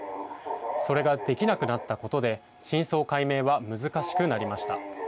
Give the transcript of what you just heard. それができなくなったことで真相解明は難しくなりました。